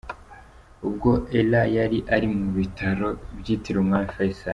Ubwo Ella yari ari mu Bitaro byitiriwe Umwami Faisal.